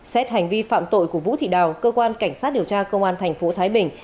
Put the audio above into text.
xét hành vi phạm tội của vũ thị đào cơ quan cảnh sát điều tra công an thành phố thái bình